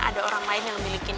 ada orang lain yang memiliki